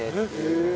へえ。